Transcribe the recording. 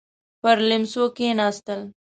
پر ليمڅو کېناستل.